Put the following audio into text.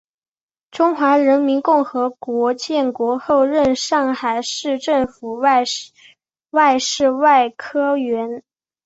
中华人民共和国建国后任上海市政府外事处科员。